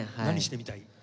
何してみたい？